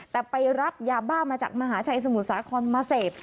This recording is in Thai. แต่ไปรับยาบ้ามาจากมหาชัยสมุทรสาครมาเสพ